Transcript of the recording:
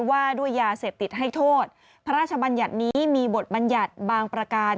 ว่าด้วยยาเสพติดให้โทษพระราชบัญญัตินี้มีบทบัญญัติบางประการ